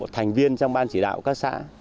thành viên trong ban chỉ đạo các xã